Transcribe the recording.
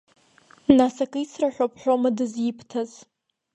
Нас, ак ицраҳәоп ҳәома дызибҭаз?!